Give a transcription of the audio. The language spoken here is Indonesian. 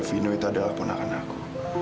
vino itu adalah ponakan aku